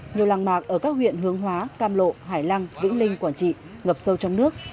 nhiều làng mạc ở các huyện hướng hóa cam lộ hải lăng vĩnh linh quảng trị ngập sâu trong nước